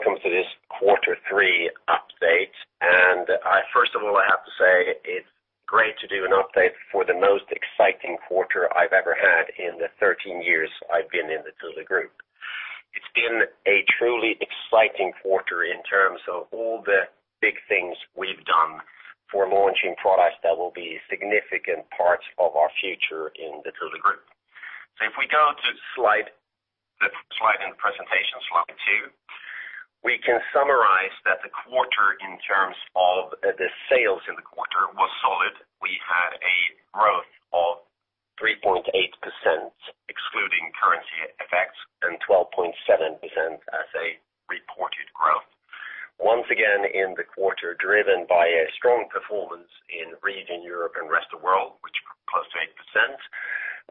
Very welcome to this quarter three update. First of all, I have to say it's great to do an update for the most exciting quarter I've ever had in the 13 years I've been in the Thule Group. It's been a truly exciting quarter in terms of all the big things we've done for launching products that will be a significant part of our future in the Thule Group. If we go to the first slide in the presentation, slide two, we can summarize that the quarter in terms of the sales in the quarter was solid. We had a growth of 3.8%, excluding currency effects, and 12.7% as a reported growth. Once again, in the quarter, driven by a strong performance in the region Europe and Rest of World, which grew close to 8%,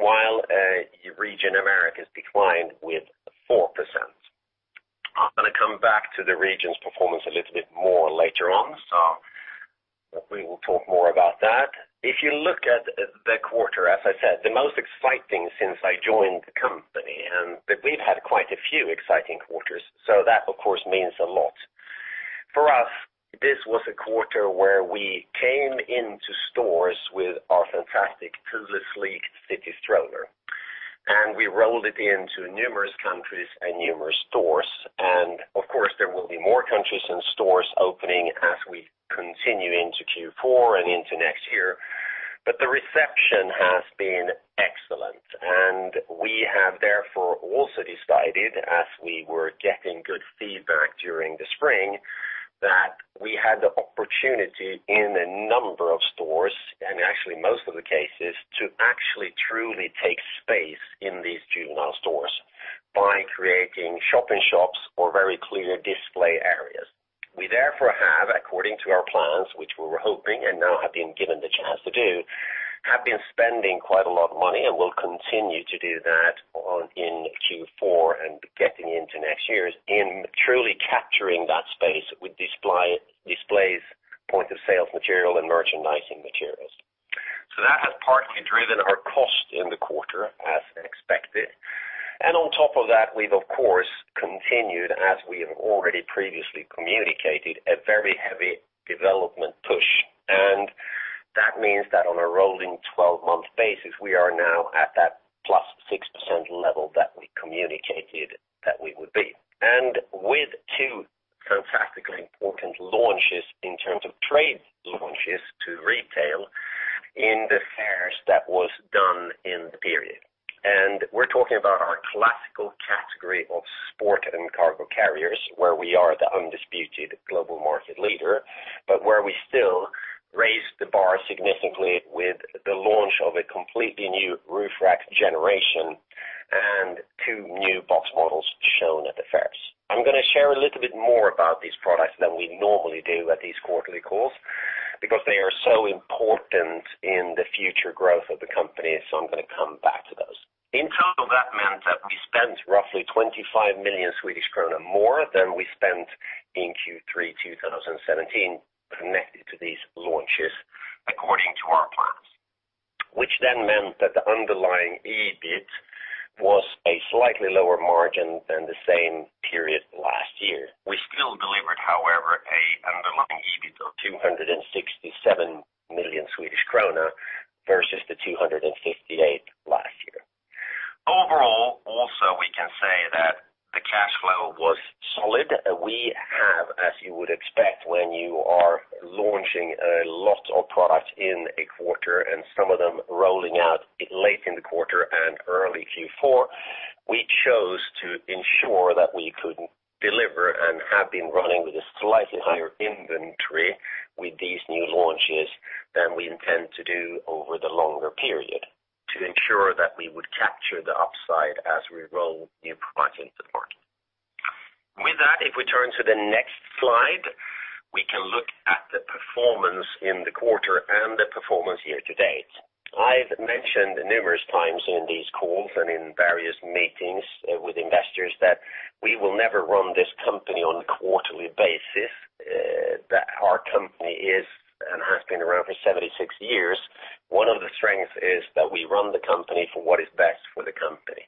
while region Americas declined with 4%. I'm going to come back to the regions' performance a little bit more later on. We will talk more about that. If you look at the quarter, as I said, the most exciting since I joined the company, and we've had quite a few exciting quarters, so that, of course, means a lot. For us, this was a quarter where we came into stores with our fantastic Thule Sleek city stroller, and we rolled it into numerous countries and numerous stores. Of course, there will be more countries and stores opening as we continue into Q4 and into next year. The reception has been excellent, and we have therefore also decided, as we were getting good feedback during the spring, that we had the opportunity in a number of stores, and actually most of the cases, to actually truly take space in these juvenile stores by creating shop-in-shops or very clear display areas. We therefore have, according to our plans, which we were hoping and now have been given the chance to do, have been spending quite a lot of money and will continue to do that in Q4 and getting into next year's in truly capturing that space with displays, point-of-sale material, and merchandising materials. So that has partly driven our cost in the quarter, as expected. On top of that, we've, of course, continued, as we have already previously communicated, a very heavy development push. That means that on a rolling 12-month basis, we are now at that plus 6% level that we communicated that we would be. With two fantastically important launches in terms of trade launches to retail in the fairs that was done in the period. We're talking about our classical category of Sport & Cargo Carriers, where we are the undisputed global market leader, but where we still raised the bar significantly with the launch of a completely new roof rack generation and two new box models shown at the fairs. I'm going to share a little bit more about these products than we normally do at these quarterly calls because they are so important in the future growth of the company. I'm going to come back to those. In total, that meant that we spent roughly 25 million Swedish krona more than we spent in Q3 2017 connected to these launches, according to our plans. That meant that the underlying EBIT was a slightly lower margin than the same period last year. We still delivered, however, an underlying EBIT of 267 million Swedish krona versus 258 million last year. Overall, also, we can say that the cash flow was solid. We have, as you would expect when you are launching a lot of products in a quarter and some of them rolling out late in the quarter and early Q4, we chose to ensure that we could deliver and have been running with a slightly higher inventory with these new launches than we intend to do over the longer period to ensure that we would capture the upside as we roll new products into the market. With that, if we turn to the next slide, we can look at the performance in the quarter and the performance year-to-date. I've mentioned numerous times in these calls and in various meetings with investors that we will never run this company on a quarterly basis, that our company is and has been around for 76 years. One of the strengths is that we run the company for what is best for the company.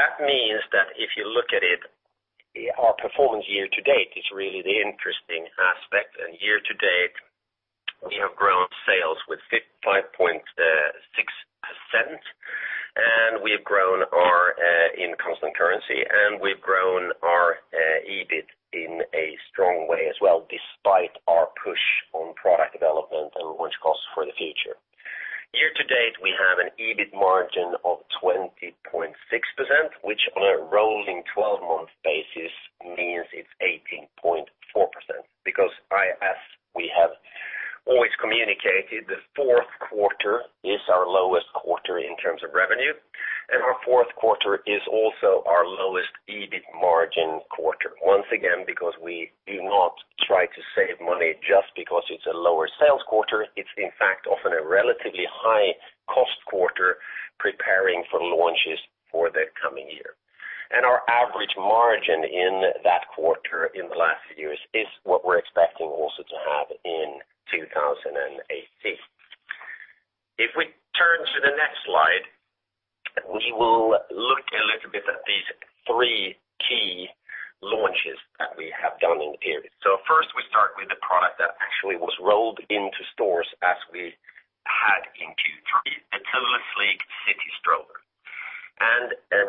That means that if you look at it, our performance year-to-date is really the interesting aspect. Year-to-date, we have grown sales with 5.6%, in constant currency, and we've grown our EBIT in a strong way as well, despite our push on product development and launch costs for the future. Year-to-date, we have an EBIT margin of 20.6%, which on a rolling 12-month basis means it's 18.4%. As we have always communicated, the fourth quarter is our lowest quarter in terms of revenue, and our fourth quarter is also our lowest EBIT margin quarter, once again, because we do not try to save money just because it's a lower sales quarter. It's in fact often a relatively high-cost quarter preparing for launches for the coming year. Our average margin in that quarter in the last few years is what we're expecting also to have in 2018. If we turn to the next slide, we will look a little bit at these three key launches that we have done in period. First, we start with the product that actually was rolled into stores as we had in Q3, the Thule Sleek city stroller.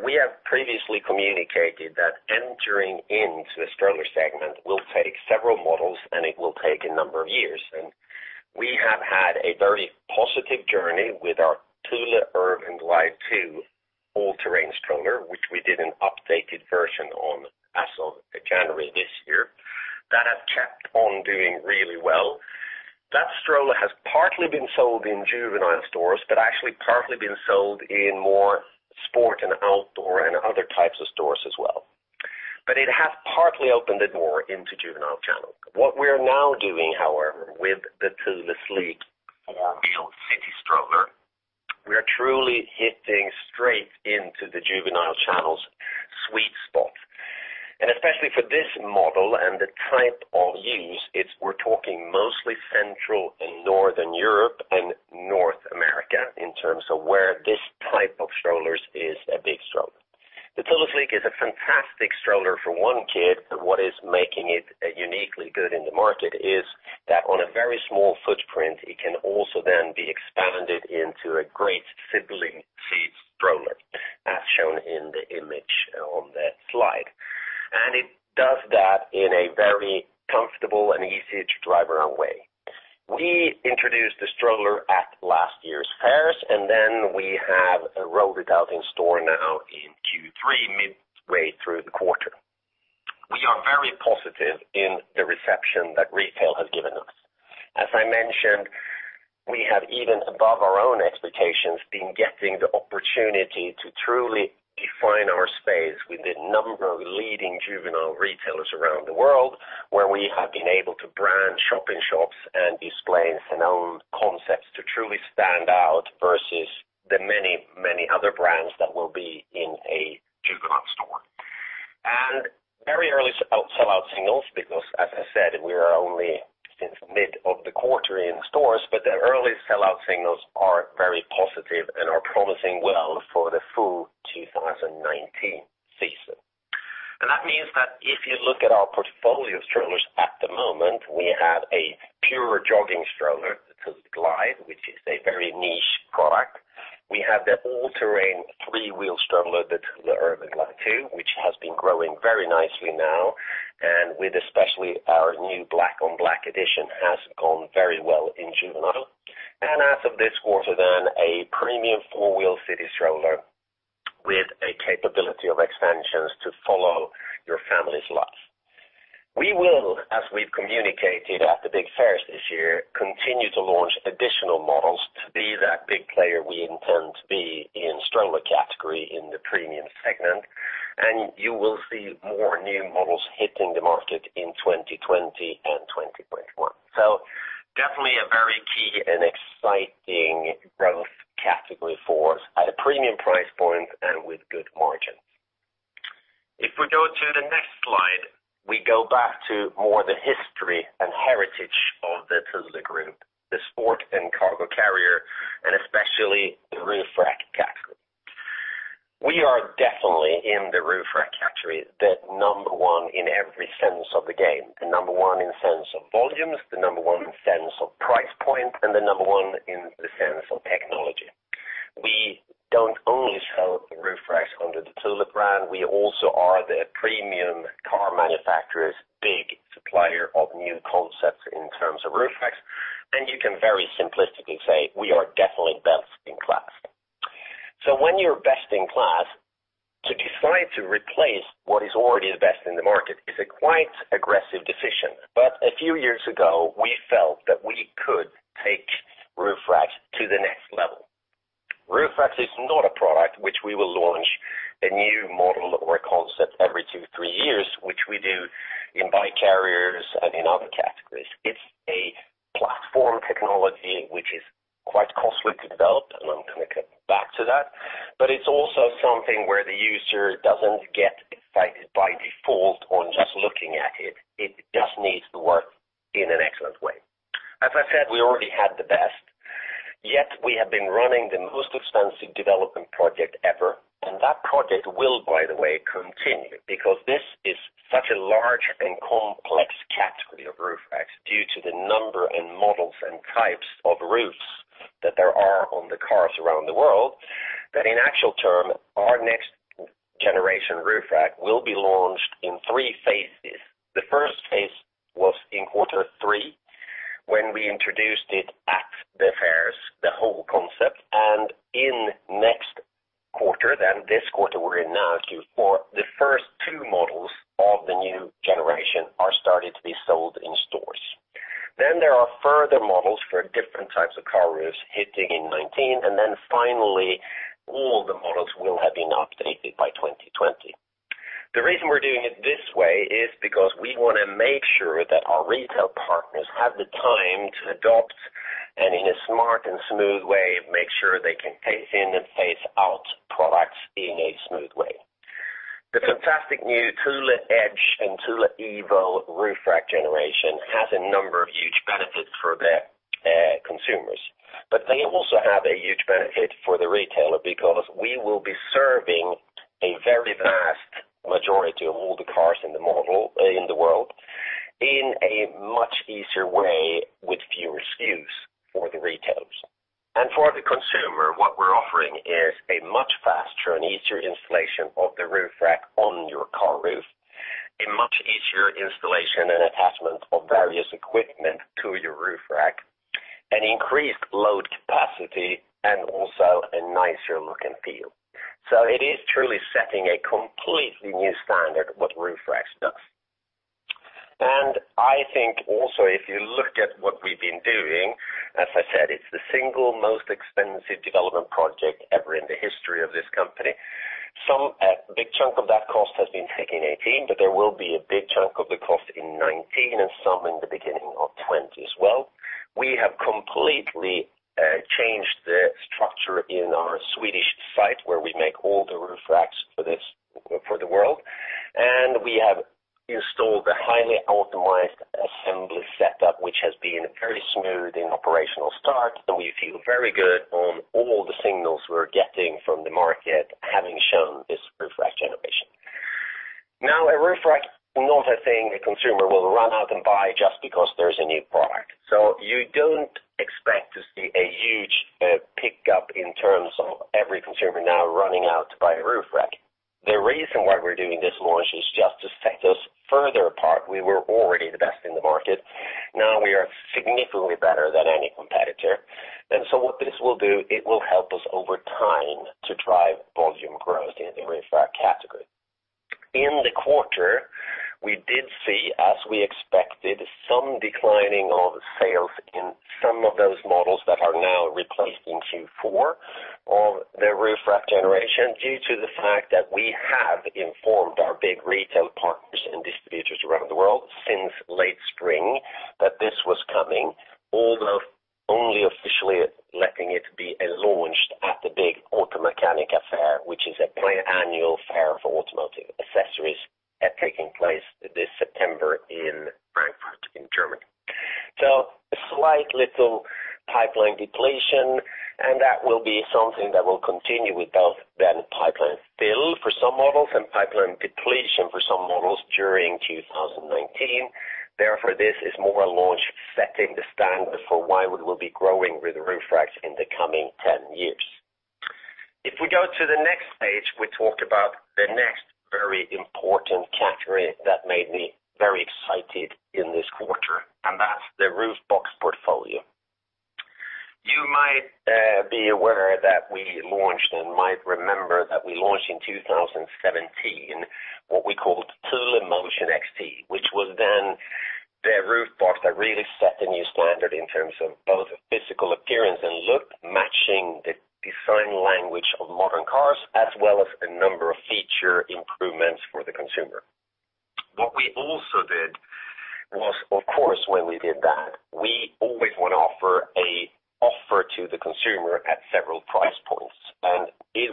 We have previously communicated that entering into the stroller segment will take several models, and it will take a number of years. We have had a very positive journey with our Thule Urban Glide 2 all-terrain stroller, which we did an updated version on as of January this year that has kept on doing really well. That stroller has partly been sold in juvenile stores, but actually partly been sold in more sport and outdoor and other types of stores as well, but it has partly opened the door into juvenile channels. What we are now doing, however, with the Thule Sleek four-wheel city stroller, we are truly hitting straight into the juvenile channels sweet spot. Especially for this model and the type of use, we're talking mostly central and Northern Europe and North America in terms of where this type of strollers is a big seller. The Thule Sleek is a fantastic stroller for one kid, but what is making it uniquely good in the market is that on a very small footprint, it can also then be expanded into a great sibling seat stroller, as shown in the image on the slide. It does that in a very comfortable and easy-to-drive-around way. We introduced the stroller at last year's fairs. We have rolled it out in store now in Q3, midway through the quarter. We are very positive in the reception that retail has given us. As I mentioned, we have even above our own expectations, been getting the opportunity to truly define our space with the number of leading juvenile retailers around the world, where we have been able to brand shop-in-shops and display some own concepts to truly stand out versus the many, many other brands that will be in a juvenile store. Very early sellout signals because, as I said, we are only in mid of the quarter in stores, but the early sellout signals are very positive and are promising well for the full 2019 season. That means that if you look at our portfolio of strollers at the moment, we have a pure jogging stroller, the Thule Glide, which is a very niche product. We have the all-terrain three-wheel stroller, the Thule Urban Glide 2, which has been growing very nicely now, and with especially our new black-on-black edition has gone very well in juvenile. As of this quarter, a premium four-wheel city stroller with a capability of expansions to follow your family's life. We will, as we've communicated at the big fairs this year, continue to launch additional models to be that big player we intend to be in stroller category in the premium segment, and you will see more new models hitting the market in 2020 and 2021. Definitely a very key and exciting growth category for us at a premium price point and with good margins. If we go to the next slide, we go back to more the history and heritage of the Thule Group, the Sport & Cargo Carriers, and especially the roof rack category. We are definitely in the roof rack category, the number one in every sense of the game, the number one in sense of volumes, the number one in sense of price point, and the number one in the sense of technology. We don't only sell roof racks under the Thule brand. We also are the premium car manufacturer's big supplier of new concepts in terms of roof racks. You can very simplistically say we are definitely best in class. When you're best in class, to decide to replace what is already the best in the market is a quite aggressive decision. A few years ago, we felt that we could take roof racks to the next level. Roof racks is not a product which we will launch a new model or a concept every two, three years, which we do in bike carriers and in other categories. It's a platform technology which is quite costly to develop. I'm going to come back to that. It's also something where the user doesn't get excited by default on just looking at it. It just needs to work in an excellent way. As I said, we already had the best, yet we have been running the most expensive development project ever. That project will, by the way, continue because this is such a large and complex category of roof racks due to the number and models and types of roofs that there are on the cars around the world, that in actual term, our next generation roof rack will be launched in three phases. The first phase was in quarter three when we introduced it at the fairs, the whole concept. In next quarter, this quarter we're in now, Q4, the first two models of the new generation are starting to be sold in stores. There are further models for different types of car roofs hitting in 2019. Finally, all the models will have been updated by 2020. The reason we're doing it this way is because we want to make sure that our retail partners have the time to adopt and in a smart and smooth way, make sure they can phase in and phase out products in a smooth way. The fantastic new Thule Edge and Thule Evo roof rack generation has a number of huge benefits for their consumers. They also have a huge benefit for the retailer because we will be serving a very vast majority of all the cars in the world, in a much easier way with fewer SKUs for the retailers. For the consumer, what we're offering is a much faster and easier installation of the roof rack on your car roof, a much easier installation and attachment of various equipment to your roof rack, an increased load capacity, and also a nicer look and feel. It is truly setting a completely new standard what roof racks does. I think also, if you look at what we've been doing, as I said, it's the single most expensive development project ever in the history of this company. Some big chunk of that cost has been taken 2018. There will be a big chunk of the cost in 2019 and some in the beginning of 2020 as well. We have completely changed the structure in our Swedish site where we make all the roof racks for the world. We have installed a highly optimized assembly setup, which has been a very smooth and operational start, and we feel very good on all the signals we're getting from the market having shown this roof rack generation. Now, a roof rack is not a thing a consumer will run out and buy just because there's a new product. You don't expect to see a huge pickup in terms of every consumer now running out to buy a roof rack. The reason why we're doing this launch is just to set us further apart. We were already the best in the market. Now we are significantly better than any competitor. What this will do, it will help us over time to drive volume growth in the roof rack category. In the quarter, we did see, as we expected, some declining of sales in some of those models that are now replacing Q4 of the roof rack generation, due to the fact that we have informed our big retail partners and distributors around the world since late spring that this was coming, although only officially letting it be launched at the big Automechanika fair, which is a biannual fair for automotive accessories taking place this September in Frankfurt, in Germany. A slight little pipeline depletion, and that will be something that will continue with both then pipeline fill for some models and pipeline depletion for some models during 2019. This is more a launch setting the standard for why we will be growing with the roof racks in the coming 10 years. If we go to the next page, we talk about the next very important category that made me very excited in this quarter, and that's the roof box portfolio. You might be aware that we launched and might remember that we launched in 2017 what we called Thule Motion XT, which was then the roof box that really set a new standard in terms of both physical appearance and look, matching the design language of modern cars, as well as a number of feature improvements for the consumer. What we also did was, of course, when we did that, we always want to offer an offer to the consumer at several price points.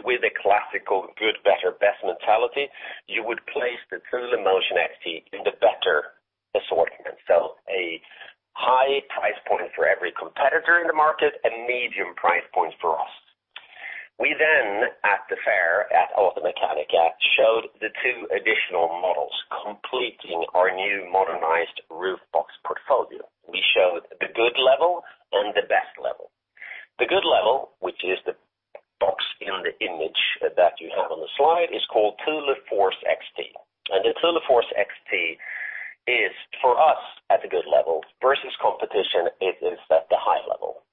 With a classical good, better, best mentality, you would place the Thule Motion XT in the better assortment. A high price point for every competitor in the market and medium price points for us. We then at the fair at Automechanika, showed the two additional models completing our new modernized roof box portfolio. We showed the good level and the best level. The good level, which is the box in the image that you have on the slide, is called Thule Force XT. The Thule Force XT is, for us, at a good level versus competition, it is at the high level.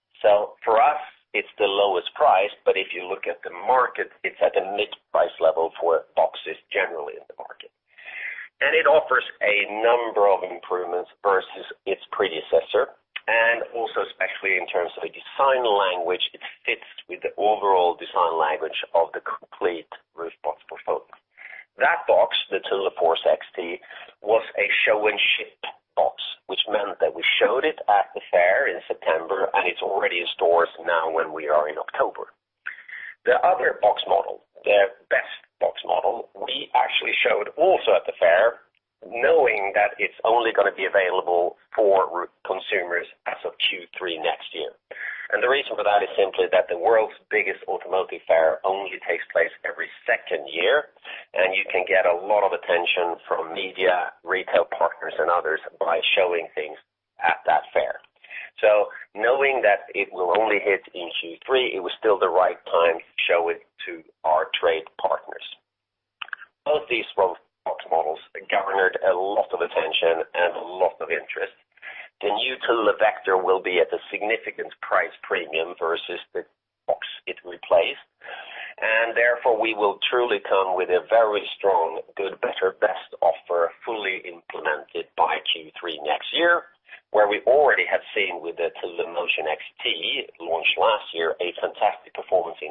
For us, it's the lowest price, but if you look at the market, it's at the mid-price level for boxes generally in the market. It offers a number of improvements versus its predecessor, and also especially in terms of a design language, it fits with the overall design language of the complete roof box portfolio. That box, the Thule Force XT, was a show and ship box, which meant that we showed it at the fair in September, and it's already in stores now when we are in October. The other box model, the best box model we actually showed also at the fair, knowing that it's only going to be available for consumers as of Q3 next year. The reason for that is simply that the world's biggest automotive fair only takes place every second year, and you can get a lot of attention from media, retail partners, and others by showing things at that fair. Knowing that it will only hit in Q3, it was still the right time to show it to our trade partners. Both these roof box models garnered a lot of attention and a lot of interest. The new Thule Vector will be at a significant price premium versus the box it replaced, and therefore, we will truly come with a very strong, good, better, best offer fully implemented by Q3 next year, where we already have seen with the Thule Motion XT launched last year, a fantastic performance in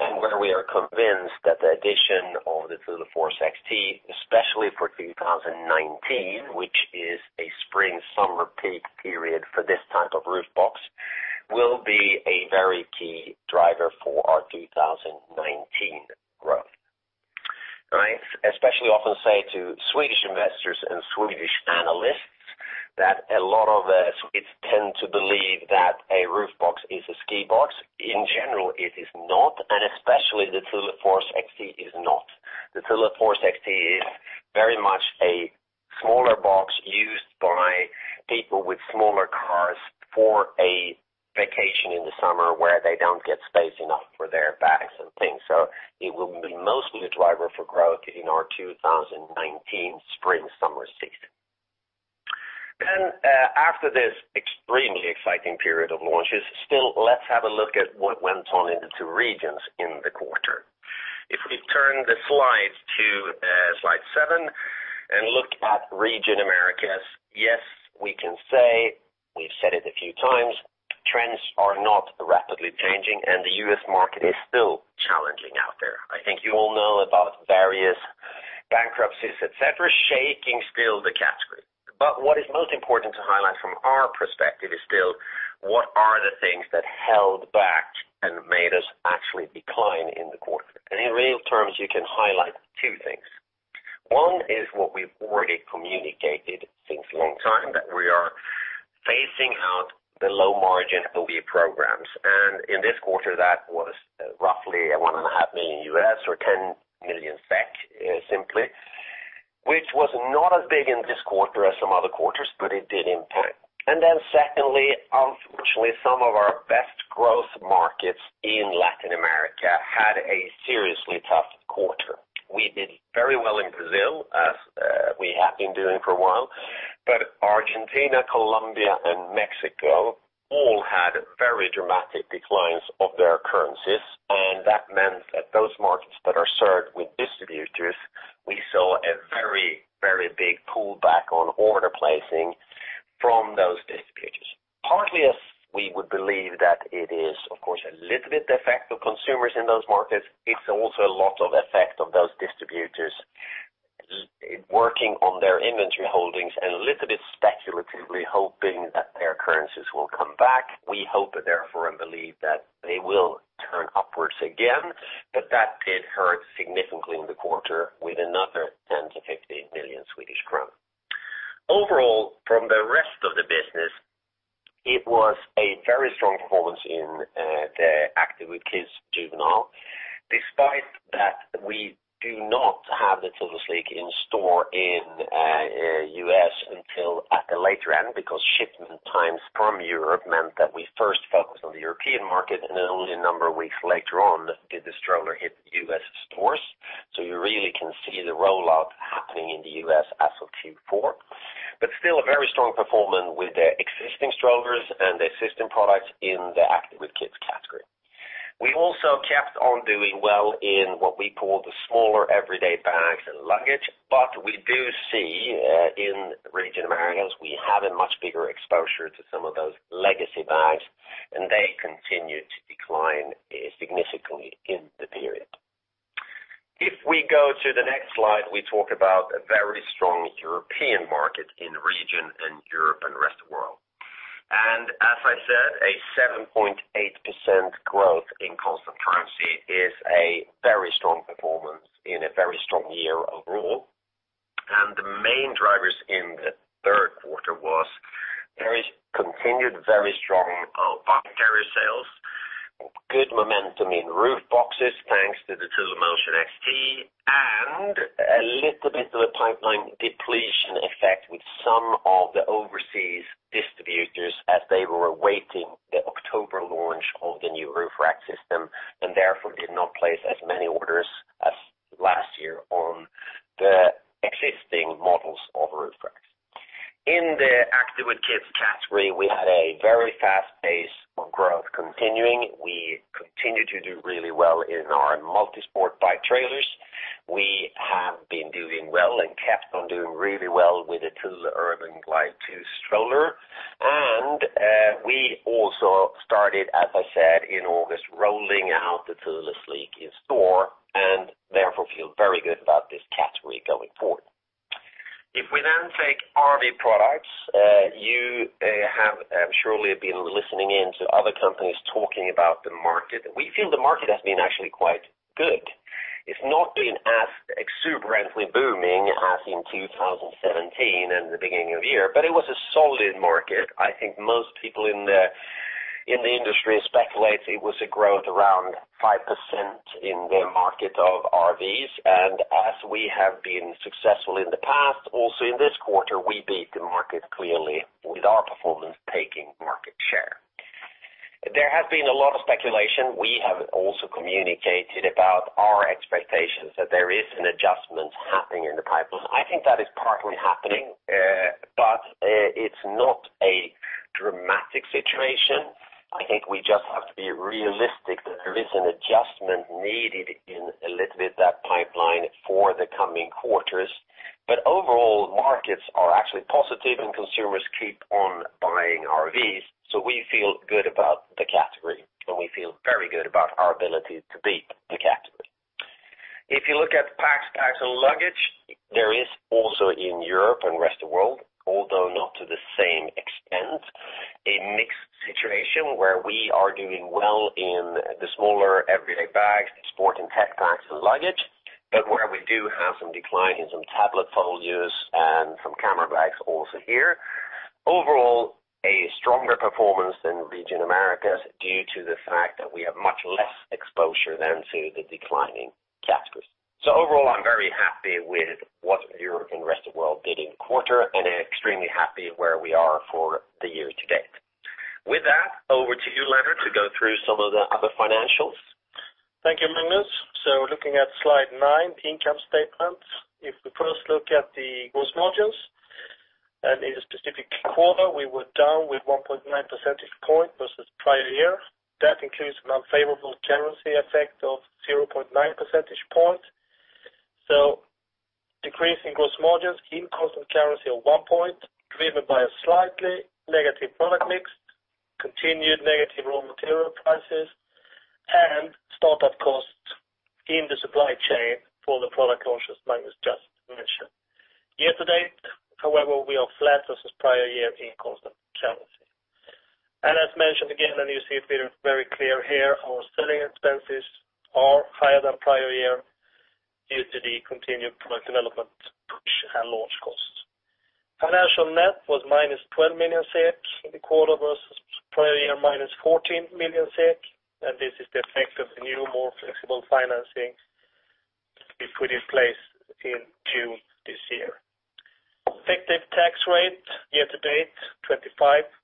2018, and where we are convinced that the addition of the Thule Force XT, especially for 2019, which is a spring, summer peak period for this type of roof box, will be a very key driver for our 2019 growth. I especially often say to Swedish investors and Swedish analysts that a lot of Swedes tend to believe that a roof box is a ski box. In general, it is not, and especially the Thule Force XT is not. The Thule Force XT is very much a smaller box used by people with smaller cars for a vacation in the summer where they don't get space enough for their bags and things. It will be mostly a driver for growth in our 2019 spring/summer season. After this extremely exciting period of launches, still, let's have a look at what went on in the two regions in the quarter. If we turn the slides to slide seven and look at region Americas. Yes, we can say, we've said it a few times, trends are not rapidly changing, and the U.S. market is still challenging out there. I think you all know about various bankruptcies, et cetera, shaking still the category. What is most important to highlight from our perspective is still what are the things that held back and made us actually decline in the quarter? In real terms, you can highlight two things. One is what we've already communicated since long time, that we are phasing out the low-margin OE programs. In this quarter, that was roughly $1.5 million or 10 million SEK simply, which was not as big in this quarter as some other quarters, but it did impact. Secondly, unfortunately, some of our best growth markets in Latin America had a seriously tough quarter. We did very well in Brazil, as we have been doing for a while. Argentina, Colombia, and Mexico all had very dramatic declines of their currencies, and that meant that those markets that are served with distributors, we saw a very, very big pullback on order placing from those distributors, partly as we would believe that it is, of course, a little bit the effect of consumers in those markets. It's also a lot of effect of those distributors working on their inventory holdings and a little bit speculatively hoping that their currencies will come back. We hope therefore and believe that they will turn upwards again. That did hurt significantly in the quarter with another 10 million-15 million Swedish crown. Overall, from the rest of the business, it was a very strong performance in the Active with Kids juvenile. Despite that, we do not have the Thule Sleek in store in U.S. until at the later end, because shipment times from Europe meant that we first focused on the European market, then only a number of weeks later on did the stroller hit U.S. stores. You really can see the rollout happening in the U.S. as of Q4. Still a very strong performance with the existing strollers and the existing products in the Active with Kids category. We also kept on doing well in what we call the smaller everyday bags and luggage. We do see in region Americas, we have a much bigger exposure to some of those legacy bags, and they continue to decline significantly in the period. If we go to the next slide, we talk about a very strong European market in region in Europe and the Rest of World. As I said, a 7.8% growth in constant currency is a very strong performance in a very strong year overall. The main drivers in the third quarter was continued very strong bike carrier sales, good momentum in roof boxes, thanks to the Thule Motion XT, and a little bit of a pipeline depletion effect with some of the overseas distributors as they were awaiting the October launch of the new roof rack system, and therefore did not place as many orders as last year on the existing models of roof racks. In the Active with Kids category, we had a very fast pace of growth continuing. We continued to do really well in our multi-sport bike trailers. We have been doing well and kept on doing really well with the Thule Urban Glide 2 stroller. We also started, as I said, in August, rolling out the Thule Sleek in store and therefore feel very good about this category going forward. If we then take RV products, you have surely been listening in to other companies talking about the market. We feel the market has been actually quite good. It's not been as exuberantly booming as in 2017 and the beginning of the year, but it was a solid market. I think most people in the industry speculate it was a growth around 5% in the market of RVs. As we have been successful in the past, also in this quarter, we beat the market clearly with our performance taking market share. There has been a lot of speculation. We have also communicated about our expectations that there is an adjustment happening in the pipeline. I think that is partly happening, but it's not a dramatic situation. I think we just have to be realistic that there is an adjustment needed in a little bit that pipeline for the coming quarters. Overall, markets are actually positive and consumers keep on buying RVs. We feel good about the category, and we feel very good about our ability to beat the category. If you look at packs, bags, and luggage, there is also in Europe and Rest of World, although not to the same extent, a mixed situation where we are doing well in the smaller everyday bags, sport and tech packs and luggage, but where we do have some decline in some tablet folios and some camera bags also here. Overall, a stronger performance than region Americas, due to the fact that we have much less exposure then to the declining categories. Overall, I'm very happy with what Europe and Rest of World did in quarter and extremely happy where we are for the year to date. With that, over to you, Lennart, to go through some of the other financials. Thank you, Magnus. Looking at slide nine, the income statement. If we first look at the gross margins, in a specific quarter, we were down with 1.9 percentage point versus prior year. That includes an unfavorable currency effect of 0.9 percentage point. Decrease in gross margins in constant currency of one point, driven by a slightly negative product mix, continued negative raw material prices, and startup costs in the supply chain for the product launches Magnus just mentioned. Year-to-date, however, we are flat versus prior year in constant currency. As mentioned again, and you see it feeling very clear here, our selling expenses are higher than prior year due to the continued product development push and launch costs. Financial net was minus 12 million SEK in the quarter versus prior year, minus 14 million SEK, and this is the effect of the new, more flexible financing we put in place in June this year. Effective tax rate year-to-date, 25%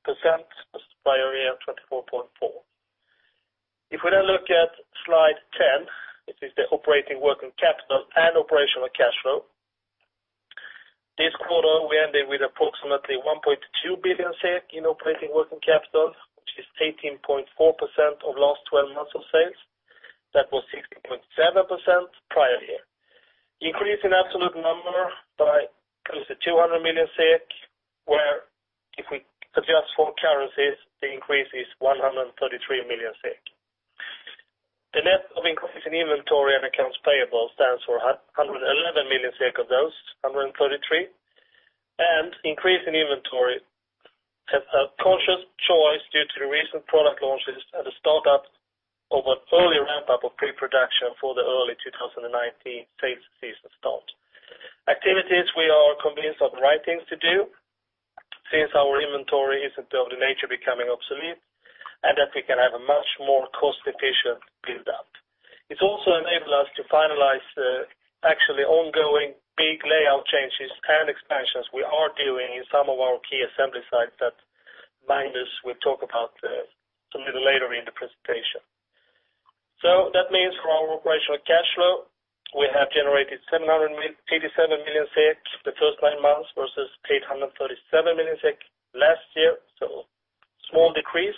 versus prior year, 24.4%. If we now look at slide 10, which is the operating working capital and operational cash flow. This quarter, we ended with approximately 1.2 billion SEK in operating working capital, which is 18.4% of last 12 months of sales. That was 16.7% prior year. Increase in absolute number by close to 200 million, where if we adjust for currencies, the increase is 133 million. The net of increase in inventory and accounts payable stands for 111 million of those, 133. Increase in inventory is a conscious choice due to the recent product launches at a startup of an early ramp-up of pre-production for the early 2019 sales season start. Activities we are convinced are the right things to do since our inventory isn't over nature becoming obsolete, and that we can have a much more cost-efficient build-out. It's also enabled us to finalize the actually ongoing big layout changes and expansions we are doing in some of our key assembly sites that Magnus will talk about a little later in the presentation. That means for our operational cash flow, we have generated 787 million SEK the first nine months versus 837 million SEK last year. Small decrease,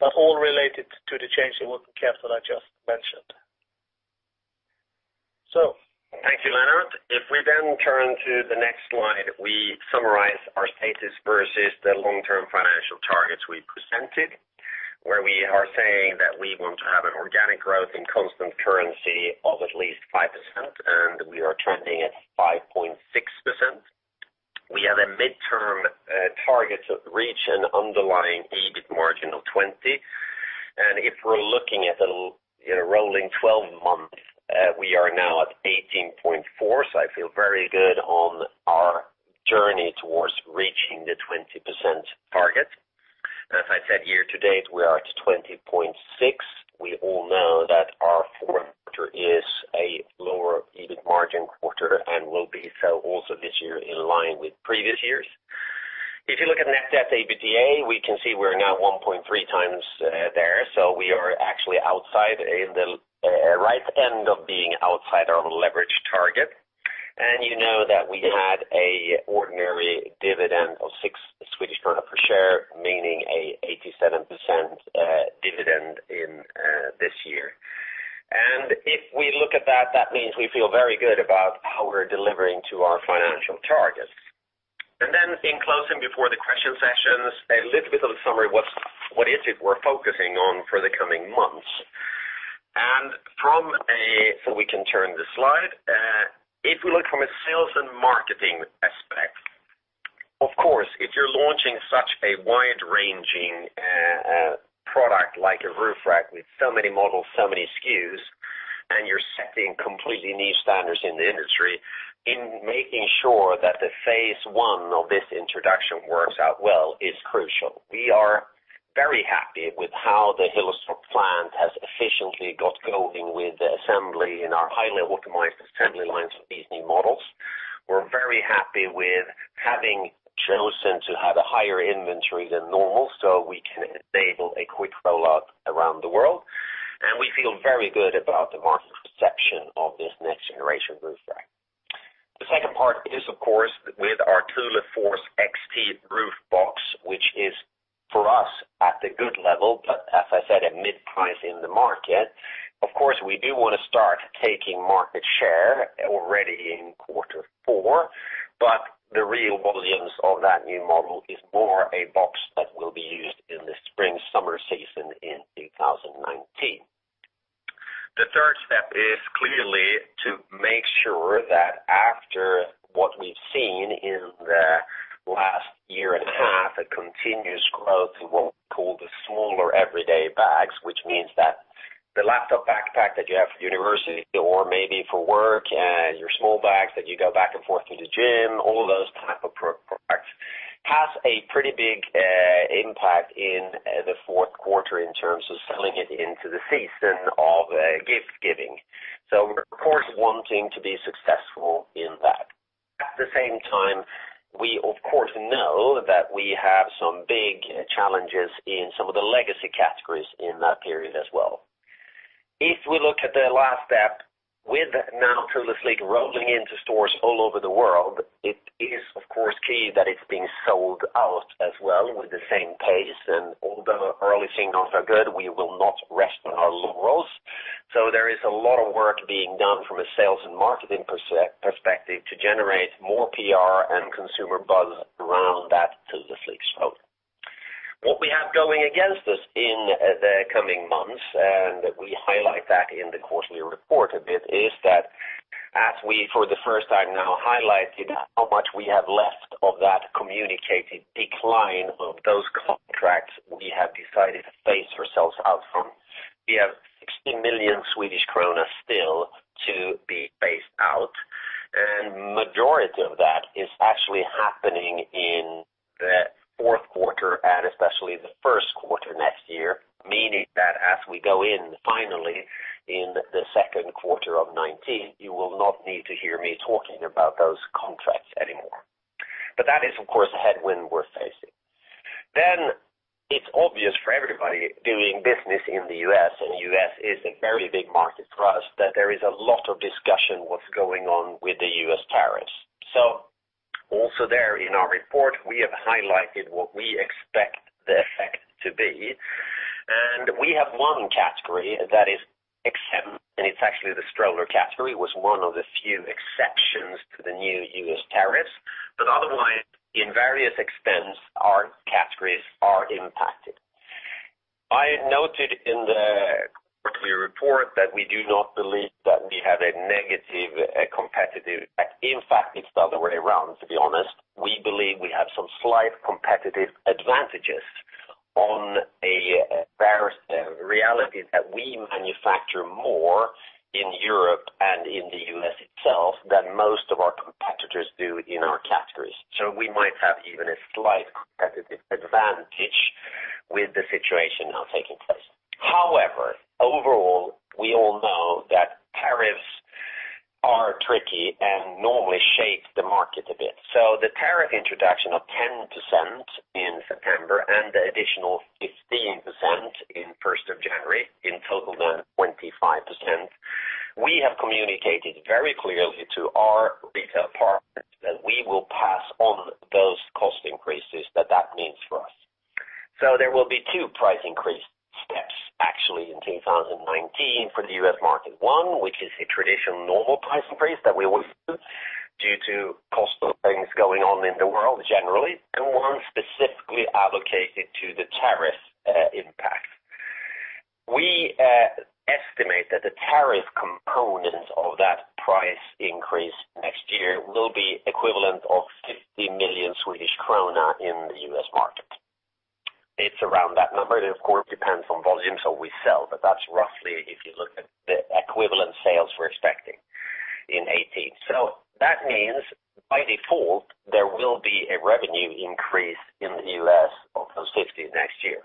but all related to the change in working capital I just mentioned. Thank you, Lennart. We then turn to the next slide, we summarize our status versus the long-term financial targets we presented, where we are saying that we want to have an organic growth in constant currency of at least 5%, and we are trending at 5.6%. We have a midterm target of reaching an underlying EBIT margin of 20%. If we're looking at a rolling 12 months, we are now at 18.4%, so I feel very good on our journey towards reaching the 20% target. As I said, year-to-date, we are at 20.6%. We all know that our fourth quarter is a lower EBIT margin quarter and will be so also this year in line with previous years. If you look at net debt/EBITDA, we can see we're now 1.3 times there. We are actually outside in the right end of being outside our leverage target. You know that we had an ordinary dividend of 6 Swedish krona per share, meaning an 87% dividend in this year. If we look at that means we feel very good about how we're delivering to our financial targets. Then in closing before the question sessions, a little bit of a summary what is it we're focusing on for the coming months. We can turn the slide. If we look from a sales and marketing aspect, of course, if you're launching such a wide-ranging product like a roof rack with so many models, so many SKUs, and you're setting completely new standards in the industry, in making sure that the phase 1 of this introduction works out well is crucial. We are very happy with how the Hillerstorp plant has efficiently got going with the assembly in our highly optimized assembly lines of these new models. We're very happy with having chosen to have a higher inventory than normal so we can enable a quick rollout around the world, and we feel very good about the market perception of this next generation roof rack. The second part is, of course, with our Thule Force XT roof box, which is for us at the good level, but as I said, a mid-price in the market. Of course, we do want to start taking market share already in quarter four, but the real volumes of that new model is more a box that will be used in the spring-summer season in 2019. The third step is clearly to make sure that after what we've seen in the last year and a half, a continuous growth in what we call the smaller everyday bags, which means that the laptop backpack that you have for university or maybe for work, and your small bags that you go back and forth to the gym, all those type of products, has a pretty big impact in the fourth quarter in terms of selling it into the season of gift-giving. We're of course wanting to be successful in that. At the same time, we of course know that we have some big challenges in some of the legacy categories in that period as well. If we look at the last step with now Thule Sleek rolling into stores all over the world, it is of course key that it's being sold out as well with the same pace, and although early signals are good, we will not rest on our laurels. There is a lot of work being done from a sales and marketing perspective to generate more PR and consumer buzz around that Thule Sleek stroller. What we have going against us in the coming months, and we highlight that in the quarterly report a bit, is that as we, for the first time now, highlighted how much we have left of that communicated decline of those contracts we have decided to phase ourselves out from. We have 60 million Swedish kronor still to be phased out, and majority of that is actually happening in the fourth quarter and especially the first quarter next year, meaning that as we go in finally in the second quarter of 2019, you will not need to hear me talking about those contracts anymore. That is of course a headwind we're facing. It's obvious for everybody doing business in the U.S., and U.S. is a very big market for us, that there is a lot of discussion what's going on with the U.S. tariffs. Also there in our report, we have highlighted what we expect the effect to be. We have one category that is exempt, and it's actually the stroller category, was one of the few exceptions to the new U.S. tariffs. Otherwise, in various extents, our categories are impacted. I noted in the quarterly report that we do not believe that we have a negative competitive effect. In fact, it's the other way around, to be honest. We believe we have some slight competitive advantages on a tariff reality that we manufacture more in Europe and in the U.S. itself than most of our competitors do in our categories. We might have even a slight competitive advantage with the situation now taking place. However, overall, we all know that tariffs are tricky and normally shape the market a bit. The tariff introduction of 10% in September and the additional 15% in 1st of January, in total then 25%, we have communicated very clearly to our retail partners that we will pass on those cost increases that that means for us. There will be two price increase steps actually in 2019 for the U.S. market. One, which is a traditional normal price increase that we always do due to cost of things going on in the world generally, and one specifically allocated to the tariff impact. We estimate that the tariff components of that price increase next year will be equivalent of 50 million Swedish krona in the U.S. market. It's around that number. It of course depends on volume, so we sell, but that's roughly if you look at the equivalent sales we're expecting in 2018. That means by default, there will be a revenue increase in the U.S. of those 50 million next year.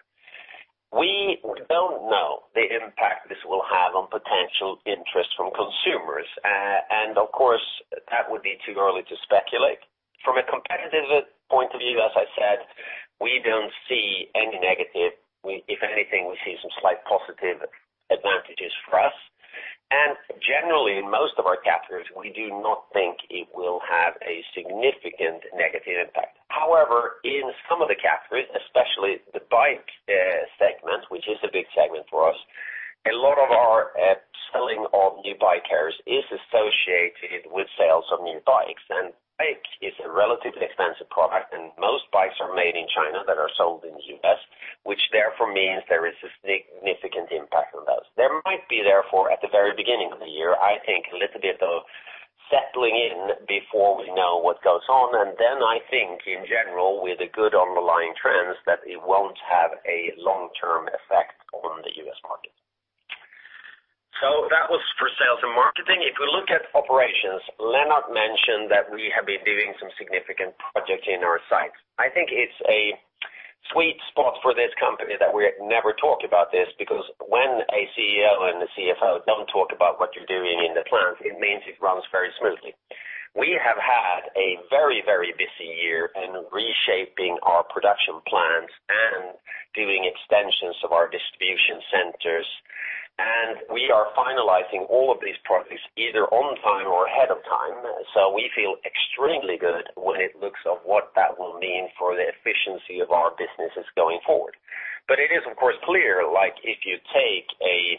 We don't know the impact this will have on potential interest from consumers. Of course, that would be too early to speculate. From a competitive point of view, as I said, we don't see any negative. If anything, we see some slight positive advantages for us. Generally, most of our categories, we do not think it will have a significant negative impact. However, in some of the categories, especially the bike segment, which is a big segment for us, a lot of our selling of new bike carriers is associated with sales of new bikes. Bike is a relatively expensive product, and most bikes are made in China that are sold in the U.S., which therefore means there is a significant impact on those. There might be therefore, at the very beginning of the year, I think a little bit of settling in before we know what goes on. I think in general, with the good underlying trends, that it won't have a long-term effect on the U.S. market. That was for sales and marketing. If we look at operations, Lennart mentioned that we have been doing some significant projects in our sites. I think it's a sweet spot for this company that we never talk about this, because when a CEO and a CFO don't talk about what you're doing in the plants, it means it runs very smoothly. We have had a very busy year in reshaping our production plants and doing extensions of our distribution centers, and we are finalizing all of these projects either on time or ahead of time. We feel extremely good when it looks of what that will mean for the efficiency of our businesses going forward. It is of course clear, like if you take a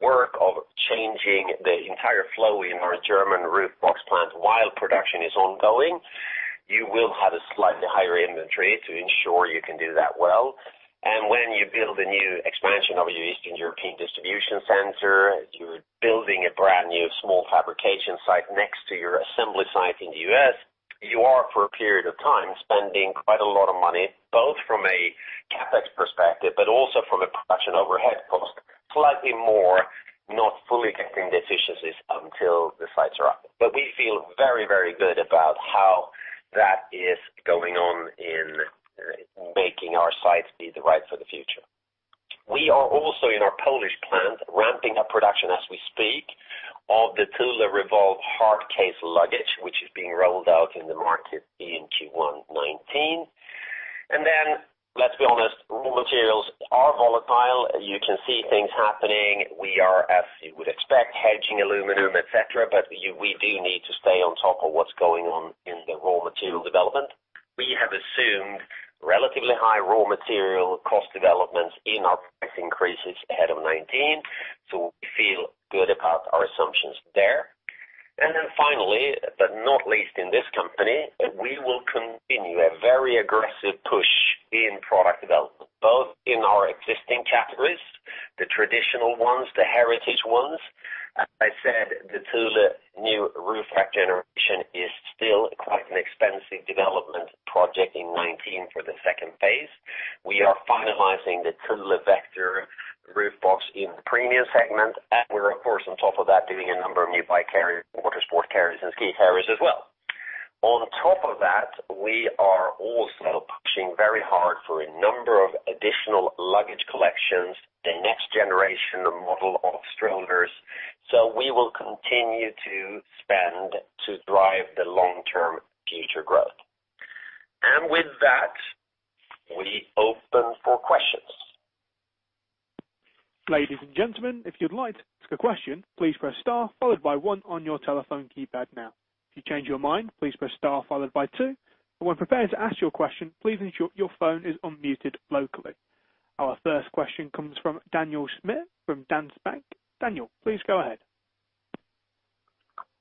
work of changing the entire flow in our German roof box plant while production is ongoing. You will have a slightly higher inventory to ensure you can do that well. When you build a new expansion of your Eastern European distribution center, you're building a brand-new small fabrication site next to your assembly site in the U.S., you are, for a period of time, spending quite a lot of money, both from a CapEx perspective, but also from a production overhead cost, slightly more, not fully getting the efficiencies until the sites are up. We feel very good about how that is going on in making our sites be the right for the future. We are also, in our Polish plant, ramping up production as we speak of the Thule Revolve hard case luggage, which is being rolled out in the market in Q1 2019. Let's be honest, raw materials are volatile. You can see things happening. We are, as you would expect, hedging aluminum, et cetera, but we do need to stay on top of what's going on in the raw material development. We have assumed relatively high raw material cost developments in our price increases ahead of 2019. We feel good about our assumptions there. Finally, but not least in this company, we will continue a very aggressive push in product development, both in our existing categories, the traditional ones, the heritage ones. As I said, the Thule new roof rack generation is still quite an expensive development project in 2019 for the second phase. We are finalizing the Thule Vector roof box in the premium segment. We're, of course, on top of that, doing a number of new bike carriers, water sport carriers, and ski carriers as well. On top of that, we are also pushing very hard for a number of additional luggage collections, the next generation model of strollers. We will continue to spend to drive the long-term future growth. With that, we open for questions. Ladies and gentlemen, if you'd like to ask a question, please press star followed by one on your telephone keypad now. If you change your mind, please press star followed by two, and when prepared to ask your question, please ensure your phone is unmuted locally. Our first question comes from Daniel Schmidt from Danske Bank. Daniel, please go ahead.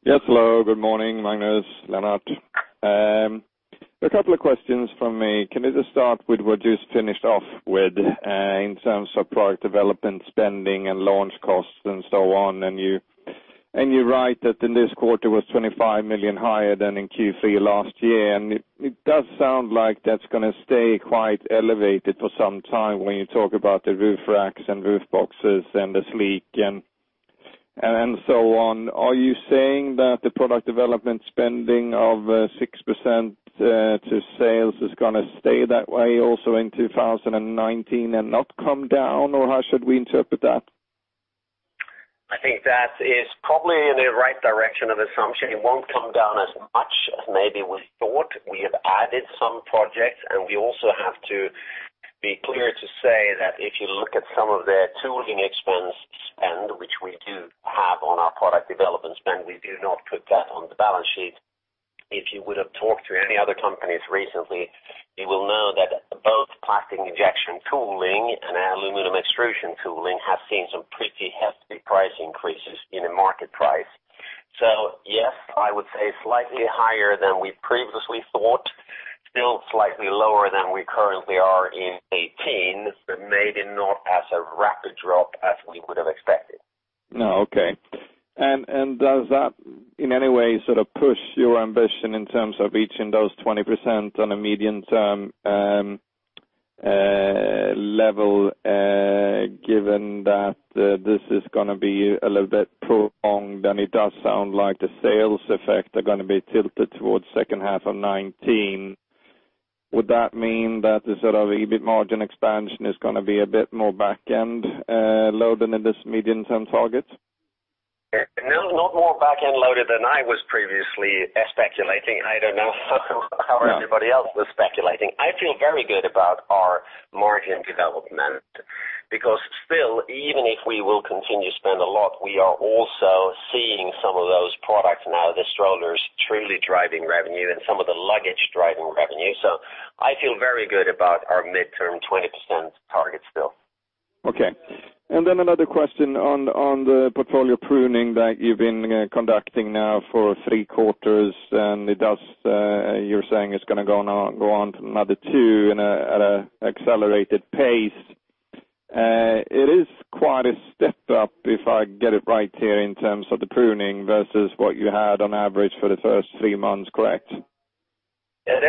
Yes, hello. Good morning, Magnus, Lennart. A couple of questions from me. Can we just start with what you just finished off with in terms of product development spending and launch costs and so on. You write that in this quarter was 25 million higher than in Q3 last year, and it does sound like that's going to stay quite elevated for some time when you talk about the roof racks and roof boxes and the Sleek and so on. Are you saying that the product development spending of 6% to sales is going to stay that way also in 2019 and not come down, or how should we interpret that? I think that is probably in the right direction of assumption. It won't come down as much as maybe we thought. We have added some projects, and we also have to be clear to say that if you look at some of the tooling expense spend, which we do have on our product development spend, we do not put that on the balance sheet. If you would've talked to any other companies recently, you will know that both plastic injection tooling and aluminum extrusion tooling have seen some pretty hefty price increases in the market price. Yes, I would say slightly higher than we previously thought. Still slightly lower than we currently are in 2018, but maybe not as a rapid drop as we would have expected. Does that in any way sort of push your ambition in terms of reaching those 20% on a medium-term level, given that this is going to be a little bit prolonged, and it does sound like the sales effect are going to be tilted towards second half of 2019. Would that mean that the sort of EBIT margin expansion is going to be a bit more back-end loaded than in this medium-term target? No, not more back-end loaded than I was previously speculating. I don't know how everybody else was speculating. I feel very good about our margin development because still, even if we will continue to spend a lot, we are also seeing some of those products now, the strollers truly driving revenue and some of the luggage driving revenue. I feel very good about our medium-term 20% target still. Another question on the portfolio pruning that you've been conducting now for three quarters, and you're saying it's going to go on for another two at an accelerated pace. It is quite a step up if I get it right here in terms of the pruning versus what you had on average for the first three months, correct? Yeah,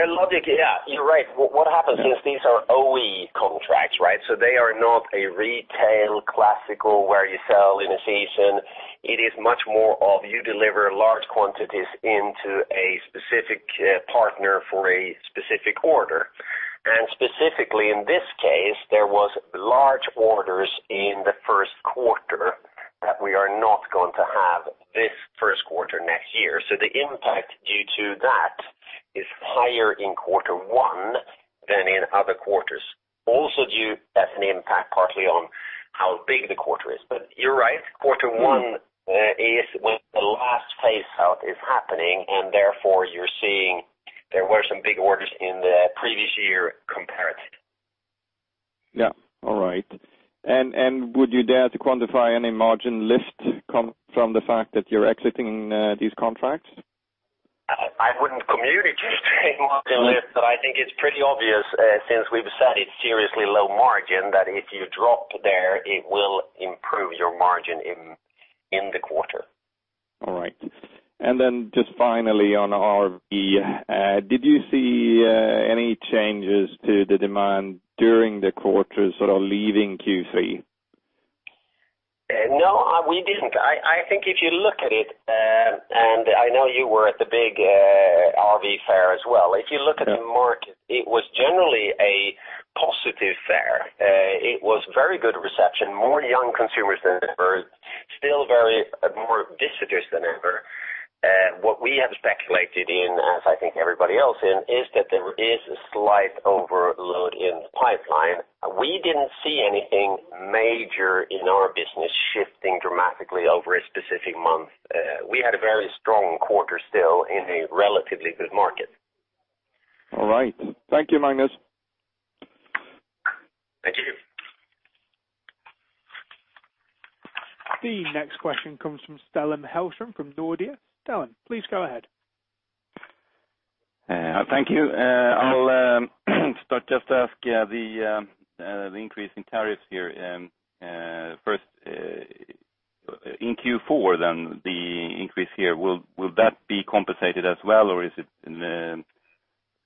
you're right. What happens is these are OE contracts, right? They are not a retail classic where you sell in a season. It is much more of you deliver large quantities into a specific partner for a specific order. Specifically in this case, there was large orders in the first quarter that we are not going to have this first quarter next year. The impact due to that is higher in quarter one than in other quarters. Also, that's an impact partly on how big the quarter is. You're right, quarter one is when the last phase-out is happening, and therefore you're seeing there were some big orders in the previous year comparative. Yeah. All right. Would you dare to quantify any margin lift from the fact that you're exiting these contracts? I wouldn't communicate a margin lift, but I think it's pretty obvious, since we've said it's seriously low margin, that if you dropped there, it will improve your margin in the quarter. All right. Then just finally on RV, did you see any changes to the demand during the quarter, sort of leaving Q3? No, we didn't. I think if you look at it, and I know you were at the big RV fair as well. If you look at the market, it was generally a positive fair. It was very good reception, more young consumers than ever, still more visitors than ever. What we have speculated in, as I think everybody else in, is that there is a slight overload in the pipeline. We didn't see anything major in our business shifting dramatically over a specific month. We had a very strong quarter still in a relatively good market. All right. Thank you, Magnus. Thank you. The next question comes from Stellan Hellström from Nordea. Stellan, please go ahead. Thank you. I'll start just to ask the increase in tariffs here. First, in Q4 then, the increase here, will that be compensated as well, or is it in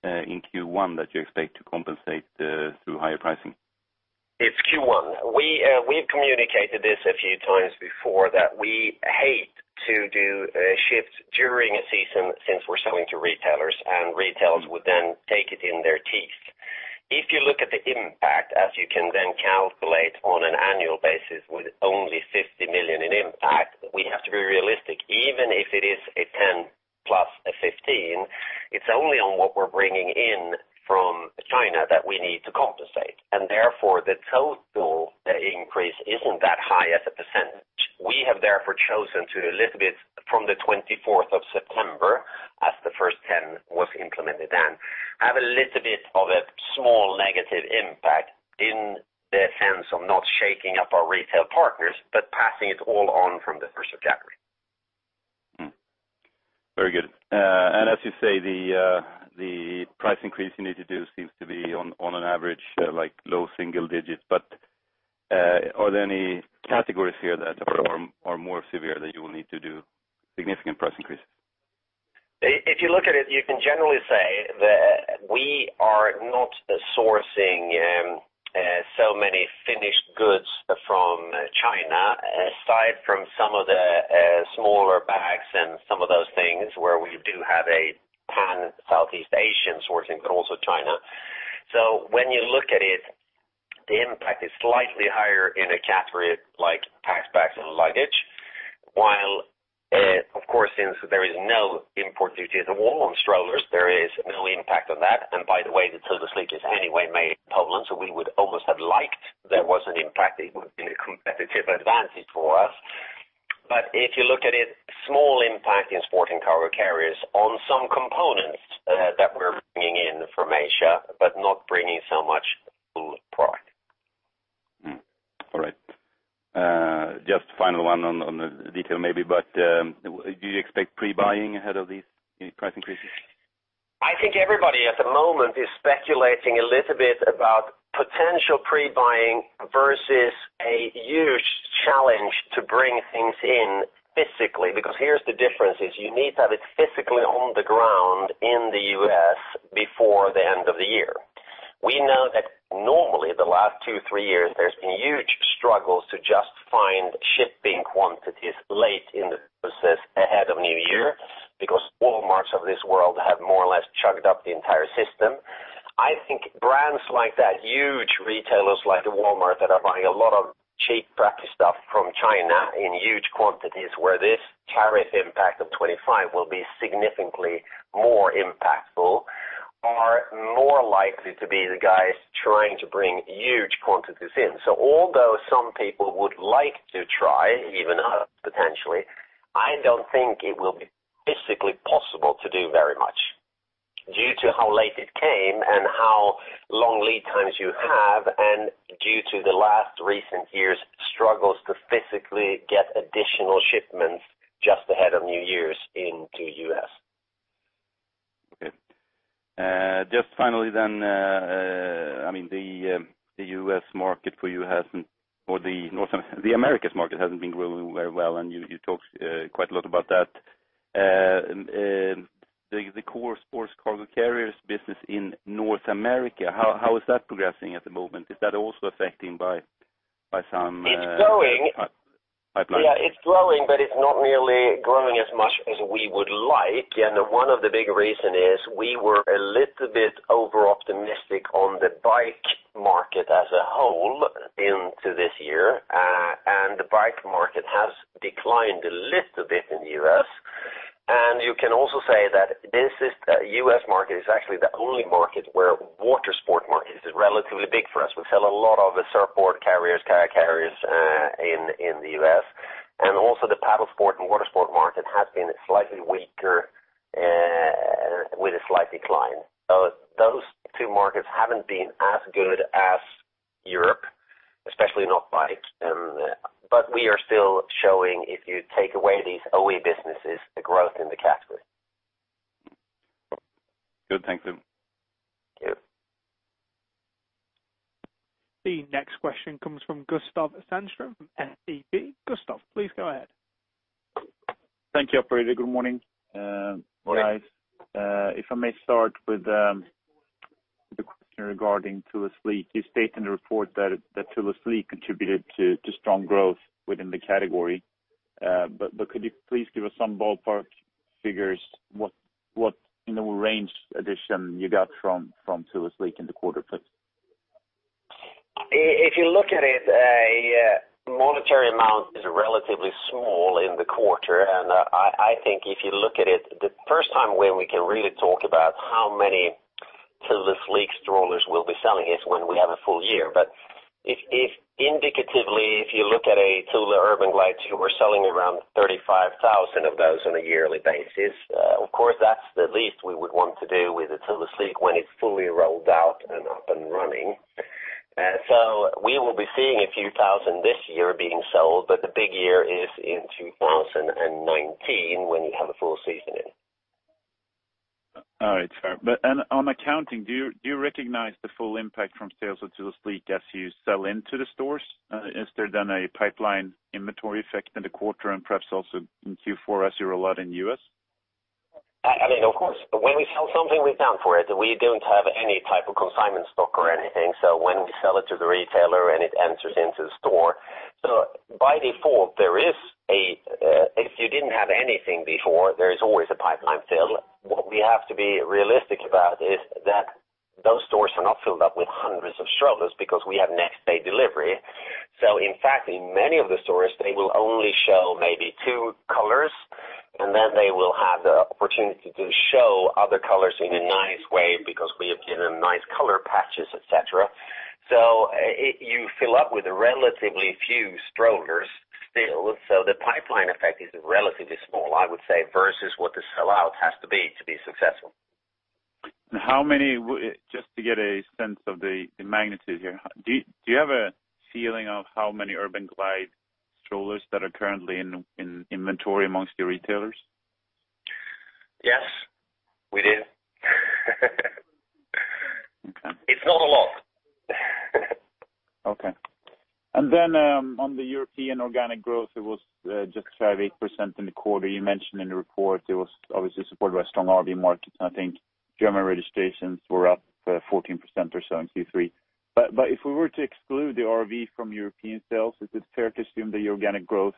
Q1 that you expect to compensate through higher pricing? It's Q1. We've communicated this a few times before that we hate to do shifts during a season since we're selling to retailers would then take it in their teeth. If you look at the impact, as you can then calculate on an annual basis with only 50 million in impact, we have to be realistic. Even if it is a 10 plus a 15, it's only on what we're bringing in from China that we need to compensate, therefore the total increase isn't that high as a percentage. We have therefore chosen to, a little bit from the 24th of September, as the first 10 was implemented then, have a little bit of a small negative impact in the sense of not shaking up our retail partners, passing it all on from the 1st of January. Very good. As you say, the price increase you need to do seems to be on an average low single digits, are there any categories here that are more severe that you will need to do significant price increases? If you look at it, you can generally say that we are not sourcing so many finished goods from China, aside from some of the smaller bags and some of those things where we do have a pan Southeast Asian sourcing, also China. When you look at it, the impact is slightly higher in a category like packs, bags and luggage. While of course, since there is no import duty at all on strollers, there is no impact on that. By the way, the Thule Sleek is anyway made in Poland, we would almost have liked there was an impact. It would have been a competitive advantage for us. If you look at it, small impact in Sport & Cargo Carriers on some components that we're bringing in from Asia, not bringing so much full product. All right. Just final one on the detail maybe, do you expect pre-buying ahead of these price increases? I think everybody at the moment is speculating a little bit about potential pre-buying versus a huge challenge to bring things in physically. Because here's the difference is you need to have it physically on the ground in the U.S. before the end of the year. We know that normally the last two, three years, there's been huge struggles to just find shipping quantities late in the process ahead of New Year, because Walmarts of this world have more or less chugged up the entire system. I think brands like that, huge retailers like the Walmart that are buying a lot of cheap, crappy stuff from China in huge quantities where this tariff impact of 25% will be significantly more impactful are more likely to be the guys trying to bring huge quantities in. Although some people would like to try, even us potentially, I don't think it will be physically possible to do very much due to how late it came and how long lead times you have, and due to the last recent years' struggles to physically get additional shipments just ahead of New Year's into U.S. Okay. Just finally, the U.S. market for you hasn't, or the Americas market hasn't been growing very well, and you talked quite a lot about that. The core Sport & Cargo Carriers business in North America, how is that progressing at the moment? Is that also affecting by some- It's growing pipeline? It's growing, but it's not really growing as much as we would like. One of the big reason is we were a little bit over-optimistic on the bike market as a whole into this year, and the bike market has declined a little bit in the U.S. You can also say that this U.S. market is actually the only market where water sport market is relatively big for us. We sell a lot of surfboard carriers, kayak carriers in the U.S. Also the paddle sport and water sport market has been slightly weaker with a slight decline. Those two markets haven't been as good as Europe. We are still showing, if you take away these OE businesses, the growth in the category. Good. Thank you. Yeah. The next question comes from Gustav Sandström from SEB. Gustav, please go ahead. Thank you, operator. Good morning. Good morning. If I may start with the question regarding Thule Sleek. You state in the report that Thule Sleek contributed to strong growth within the category. Could you please give us some ballpark figures, what range addition you got from Thule Sleek in the quarter, please? If you look at it, monetary amount is relatively small in the quarter. I think if you look at it, the first time when we can really talk about how many Thule Sleek strollers we'll be selling is when we have a full year. Indicatively, if you look at a Thule Urban Glide 2, we're selling around 35,000 of those on a yearly basis. Of course, that's the least we would want to do with a Thule Sleek when it's fully rolled out and up and running. We will be seeing a few thousand this year being sold, but the big year is in 2019, when you have a full season in. All right, fair. On accounting, do you recognize the full impact from sales of Thule Sleek as you sell into the stores? Is there a pipeline inventory effect in the quarter and perhaps also in Q4 as you roll out in U.S.? Of course. When we sell something, we're done for it. We don't have any type of consignment stock or anything. When we sell it to the retailer and it enters into the store, by default, if you didn't have anything before, there is always a pipeline fill. What we have to be realistic about is that those stores are not filled up with hundreds of strollers because we have next day delivery. In fact, in many of the stores, they will only show maybe two colors, and then they will have the opportunity to show other colors in a nice way because we have given them nice color patches, et cetera. You fill up with relatively few strollers still. The pipeline effect is relatively small, I would say, versus what the sell-out has to be to be successful. Just to get a sense of the magnitude here, do you have a feeling of how many Urban Glide strollers that are currently in inventory amongst your retailers? Yes, we do. Okay. It's not a lot. Okay. On the European organic growth, it was just 5.8% in the quarter. You mentioned in the report it was obviously supported by strong RV markets, and I think German registrations were up 14% or so in Q3. If we were to exclude the RV from European sales, is it fair to assume the organic growth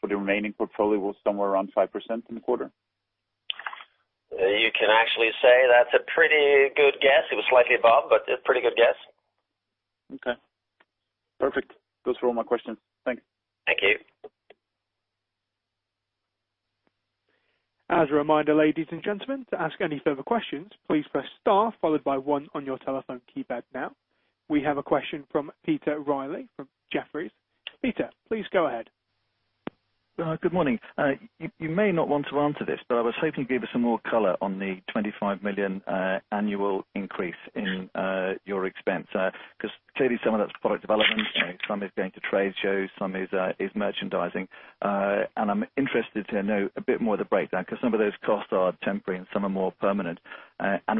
for the remaining portfolio was somewhere around 5% in the quarter? You can actually say that's a pretty good guess. It was slightly above, but a pretty good guess. Okay. Perfect. Those were all my questions. Thanks. Thank you. As a reminder, ladies and gentlemen, to ask any further questions, please press star followed by one on your telephone keypad now. We have a question from Peter Reilly from Jefferies. Peter, please go ahead. Good morning. I was hoping you could give us some more color on the 25 million annual increase in your expense. Clearly some of that's product development, some is going to trade shows, some is merchandising. I'm interested to know a bit more of the breakdown, because some of those costs are temporary and some are more permanent.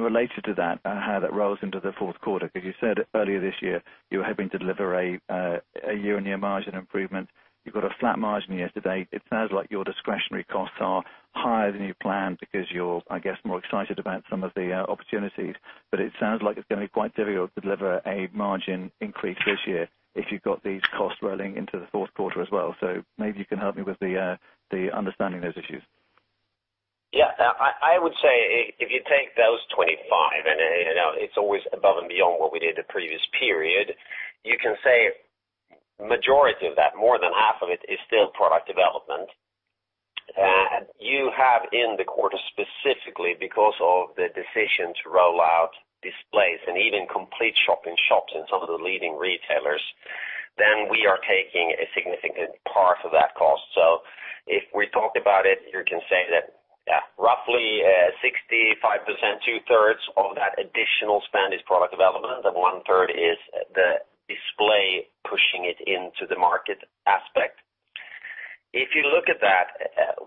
Related to that, how that rolls into the fourth quarter. You said earlier this year, you were hoping to deliver a year-on-year margin improvement. You've got a flat margin yesterday. It sounds like your discretionary costs are higher than you planned because you're, I guess, more excited about some of the opportunities. It sounds like it's going to be quite difficult to deliver a margin increase this year if you've got these costs rolling into the fourth quarter as well. Maybe you can help me with understanding those issues. Yeah. I would say if you take those 25, it's always above and beyond what we did the previous period, you can say majority of that, more than half of it, is still product development. You have in the quarter, specifically because of the decision to roll out displays and even complete shop-in-shops in some of the leading retailers, we are taking a significant part of that cost. If we talked about it, you can say that roughly 65%, two-thirds of that additional spend is product development, one-third is the display pushing it into the market aspect. If you look at that,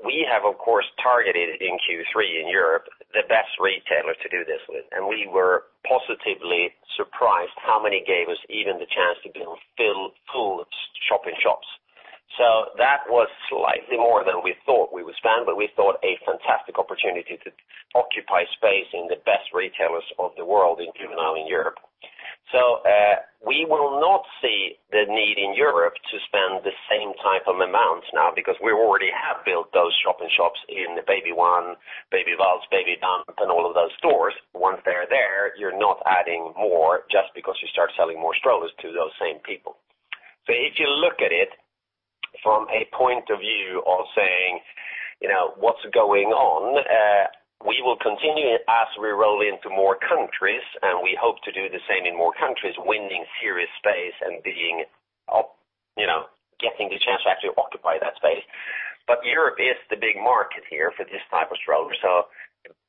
we have, of course, targeted in Q3 in Europe, the best retailer to do this with, we were positively surprised how many gave us even the chance to build full shop-in-shops. That was slightly more than we thought we would spend, but we thought a fantastic opportunity to occupy space in the best retailers of the world in Juvenile in Europe. We will not see the need in Europe to spend the same type of amounts now because we already have built those shop-in-shops in the BabyOne, Baby-Walz, Baby-Dump, and all of those stores. Once they're there, you're not adding more just because you start selling more strollers to those same people. If you look at it from a point of view of saying, what's going on? We will continue as we roll into more countries, and we hope to do the same in more countries, winning serious space and getting the chance to actually occupy that space. Europe is the big market here for this type of stroller.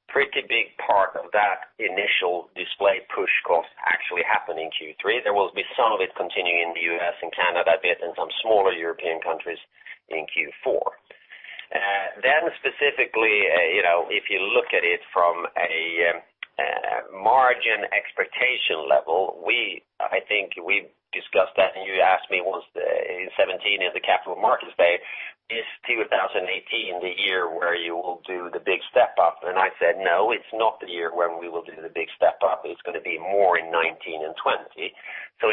Pretty big part of that initial display push cost actually happened in Q3. There will be some of it continuing in the U.S. and Canada, a bit in some smaller European countries in Q4. Specifically, if you look at it from a margin expectation level, I think we discussed that, and you asked me once in 2017 at the Capital Markets Day, is 2018 the year where you will do the big step-up? I said, no, it's not the year when we will do the big step-up. It's going to be more in 2019 and 2020.